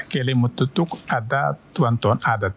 kelimut itu ada tuan tuan adat